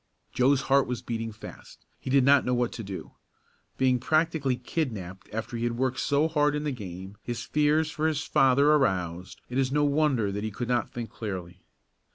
Joe's heart was beating fast. He did not know what to do. Being practically kidnapped after he had worked so hard in the game, his fears for his father aroused, it is no wonder that he could not think clearly.